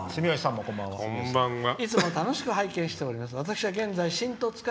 「いつも楽しく拝見しております。